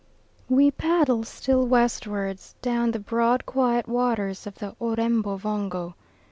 We paddle still westwards down the broad quiet waters of the O'Rembo Vongo.